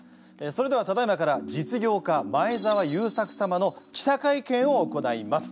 それではただいまから実業家前澤友作様の記者会見を行います。